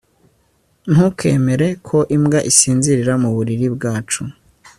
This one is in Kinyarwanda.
Ntukemere ko imbwa isinzira muburiri bwacu